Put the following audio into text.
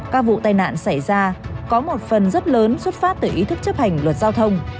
các vụ tai nạn xảy ra có một phần rất lớn xuất phát từ ý thức chấp hành luật giao thông